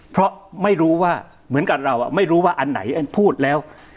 เพราะไม่รู้ว่าเหมือนกับเราไม่รู้ว่าอันไหนอันพูดแล้ว